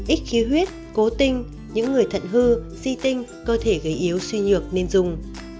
ít khí huyết cố tinh những người thận hư di tinh cơ thể gây yếu suy nhược nên dùng